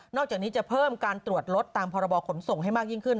จากนี้จะเพิ่มการตรวจรถตามพรบขนส่งให้มากยิ่งขึ้น